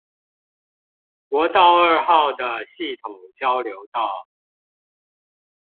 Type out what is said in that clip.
國道二號的系統交流道